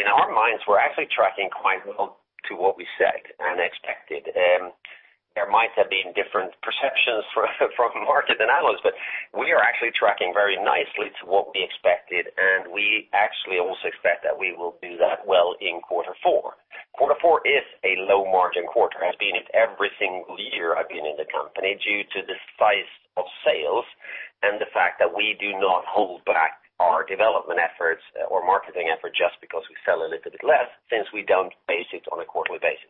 In our minds, we're actually tracking quite well to what we said and expected. There might have been different perceptions from market analysts, but we are actually tracking very nicely to what we expected, and we actually also expect that we will do that well in quarter four. Quarter four is a low-margin quarter, has been it every single year I've been in the company due to the size of sales and the fact that we do not hold back our development efforts or marketing effort just because we sell a little bit less, since we don't base it on a quarterly basis.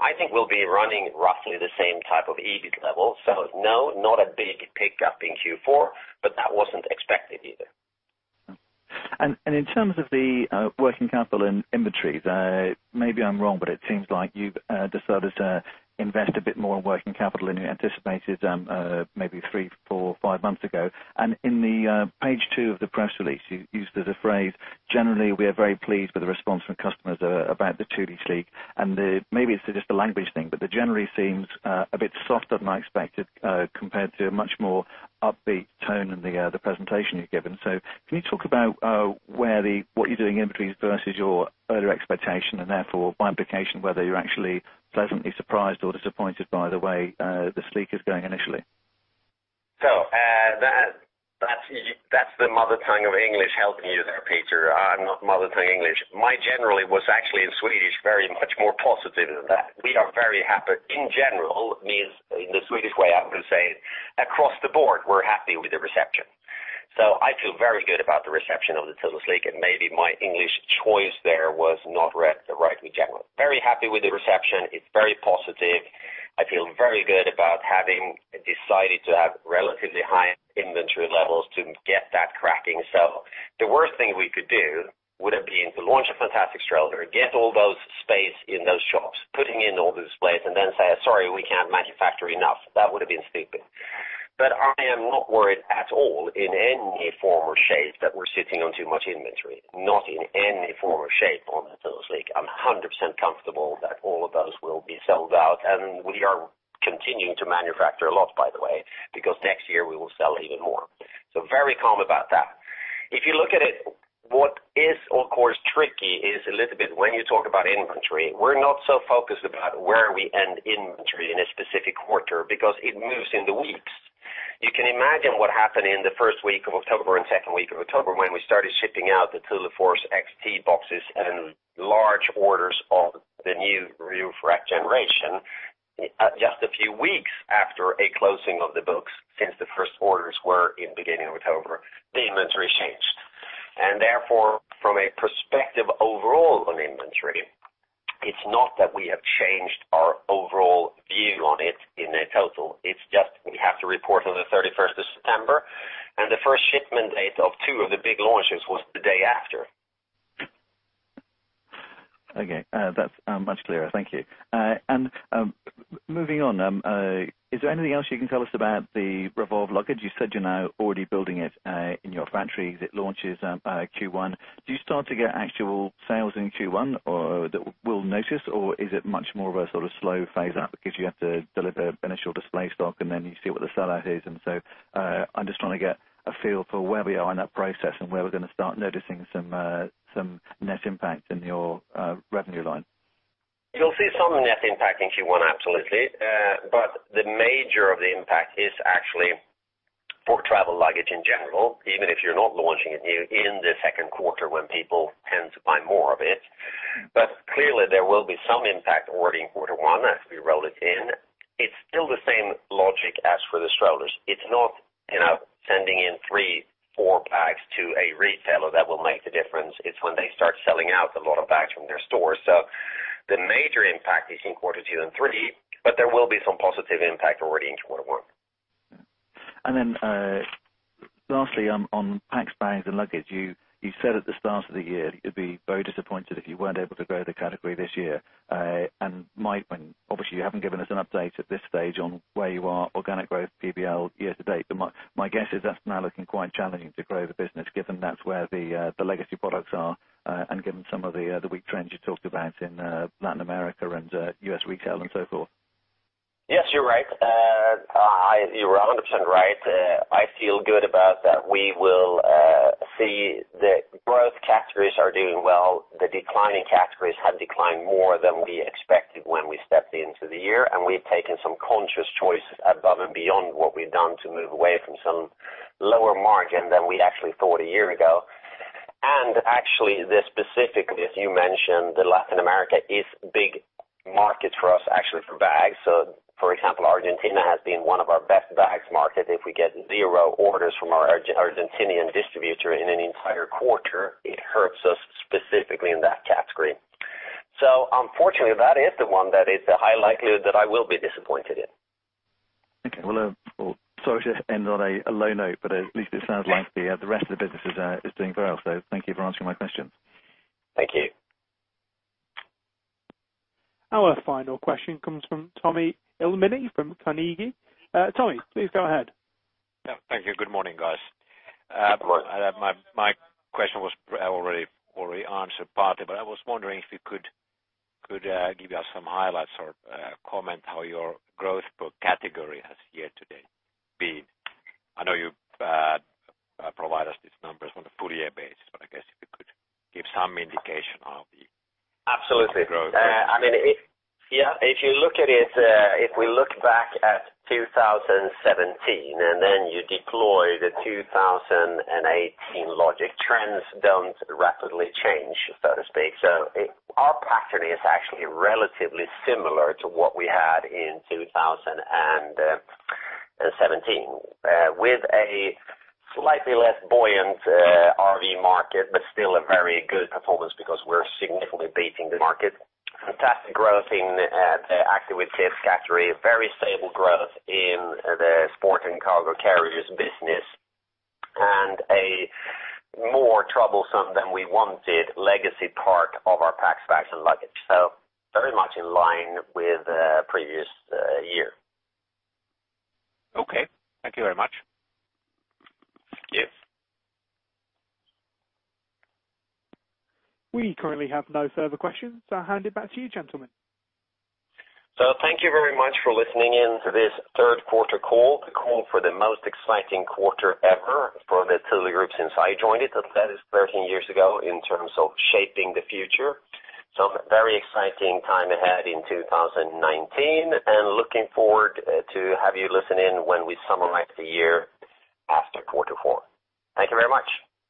I think we'll be running roughly the same type of EBIT level. No, not a big pickup in Q4, but that wasn't expected either. In terms of the working capital and inventories, maybe I'm wrong, but it seems like you've decided to invest a bit more in working capital than you anticipated, maybe three, four, five months ago. In the page two of the press release, you used the phrase, "Generally, we are very pleased with the response from customers about the Thule Sleek." Maybe it's just a language thing, but the generally seems a bit softer than I expected, compared to a much more upbeat tone in the presentation you've given. Can you talk about what you're doing in inventories versus your earlier expectation, and therefore, by implication, whether you're actually pleasantly surprised or disappointed by the way the Sleek is going initially? That's the mother tongue of English helping you there, Peter. I am not mother tongue English. My generally was actually in Swedish, very much more positive than that. We are very happy. In general means, in the Swedish way, I would say, across the board, we are happy with the reception. I feel very good about the reception of the Thule Sleek, and maybe my English choice there was not read the right in general. Very happy with the reception. It is very positive. I feel very good about having decided to have relatively high inventory levels to get that cracking. The worst thing we could do would have been to launch a fantastic stroller, get all those space in those shops, putting in all the displays, and then say, "Sorry, we cannot manufacture enough." That would have been stupid. I am not worried at all in any form or shape that we are sitting on too much inventory, not in any form or shape on the Thule Sleek. I am 100% comfortable that all of those will be sold out, and we are continuing to manufacture a lot, by the way, because next year we will sell even more. Very calm about that. If you look at it, what is, of course, tricky is a little bit when you talk about inventory, we are not so focused about where we end inventory in a specific quarter because it moves in the weeks. You can imagine what happened in the first week of October and second week of October when we started shipping out the Thule Force XT boxes and large orders of the new refresh generation just a few weeks after a closing of the books, since the first orders were in beginning of October. The inventory changed. Therefore, from a perspective overall on inventory, it is not that we have changed our overall view on it in a total, it is just we have to report on the 30th of September, and the first shipment date of two of the big launches was the day after. Okay. That is much clearer. Thank you. Moving on, is there anything else you can tell us about the Revolve luggage? You said you are now already building it in your factories. It launches Q1. Do you start to get actual sales in Q1 that we will notice, or is it much more of a sort of slow phase-out because you have to deliver initial display stock, and then you see what the sellout is? I am just trying to get a feel for where we are in that process and where we are going to start noticing some net impact in your revenue line. You'll see some net impact in Q1, absolutely. The major of the impact is actually for travel luggage in general, even if you're not launching it new in the second quarter when people tend to buy more of it. Clearly, there will be some impact already in quarter one as we roll it in. It's still the same logic as for the strollers. It's not sending in three, four bags to a retailer that will make the difference. It's when they start selling out a lot of bags from their stores. The major impact is in quarter two and three, but there will be some positive impact already in quarter one. Lastly, on packs, bags, and luggage, you said at the start of the year that you'd be very disappointed if you weren't able to grow the category this year. Obviously, you haven't given us an update at this stage on where you are, organic growth, PBL year to date. My guess is that's now looking quite challenging to grow the business, given that's where the legacy products are, and given some of the weak trends you talked about in Latin America and U.S. retail and so forth. Yes, you're right. You are 100% right. I feel good about that. We will see the growth categories are doing well. The declining categories have declined more than we expected when we stepped into the year, and we've taken some conscious choices above and beyond what we've done to move away from some lower margin than we actually thought a year ago. Actually, the specific, as you mentioned, the Latin America is big market for us, actually, for bags. For example, Argentina has been one of our best bags market. If we get zero orders from our Argentinian distributor in an entire quarter, it hurts us specifically in that category. Unfortunately, that is the one that is a high likelihood that I will be disappointed in. Okay. Well, sorry to end on a low note, at least it sounds like the rest of the business is doing well. Thank you for answering my questions. Thank you. Our final question comes from Tommy Ilmoni from Carnegie. Tomi, please go ahead. Yeah. Thank you. Good morning, guys. Good morning. My question was already answered partly. I was wondering if you could give us some highlights or comment how your growth per category has year-to-date been. I know you provide us these numbers on a full year basis. I guess if you could give some indication of the Absolutely growth. If we look back at 2017, you deploy the 2018 logic, trends don't rapidly change, so to speak. Our pattern is actually relatively similar to what we had in 2017, with a slightly less buoyant RV market, but still a very good performance because we're significantly beating the market. Fantastic growth in Active with Kids category, very stable growth in the Sport & Cargo Carriers business, and a more troublesome than we wanted legacy part of our packs, bags, and luggage. Very much in line with previous year. Okay. Thank you very much. Yes. We currently have no further questions. I'll hand it back to you, gentlemen. Thank you very much for listening in to this third quarter call, the call for the most exciting quarter ever for the Thule Group since I joined it, that is 13 years ago, in terms of shaping the future. Very exciting time ahead in 2019, and looking forward to have you listen in when we summarize the year after quarter four. Thank you very much.